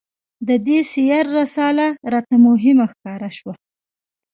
د دې سیر رساله راته مهمه ښکاره شوه.